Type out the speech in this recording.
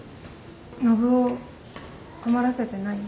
信男困らせてない？